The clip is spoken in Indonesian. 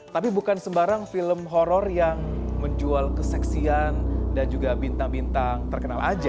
tapi bukan sembarang film horror yang menjual keseksian dan juga bintang bintang terkenal aja